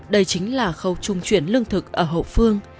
đây chính là khâu trung chuyển lương thực ở hậu phương